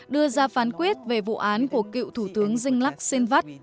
đưa ra phán quyết về vụ án của cựu thủ tướng dinh lắc sinh vắt